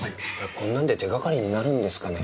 こんなんで手がかりになるんですかね？